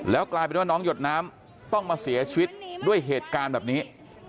กลายเป็นว่าน้องหยดน้ำต้องมาเสียชีวิตด้วยเหตุการณ์แบบนี้